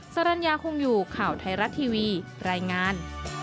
สรรญาคงอยู่ข่าวไทยรัฐทีวีรายงาน